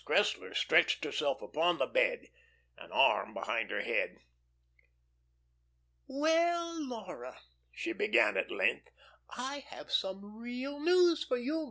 Cressler stretched herself upon the bed, an arm behind her head. "Well, Laura," she began at length, "I have some real news for you.